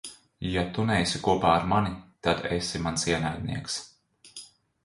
Ja tu neesi kopā ar mani, tad esi mans ienaidnieks.